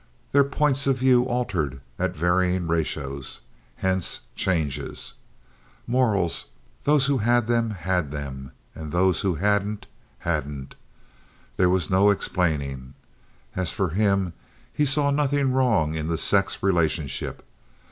Their points of view altered at varying ratios—hence changes. Morals—those who had them had them; those who hadn't, hadn't. There was no explaining. As for him, he saw nothing wrong in the sex relationship.